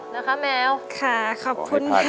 นะคะแมวขอให้ผ่าน